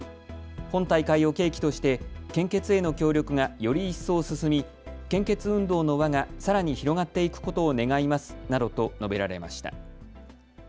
本大会を契機として献血への協力がより一層進み献血運動の輪がさらに広がっていくことを願いますなどと述べられました。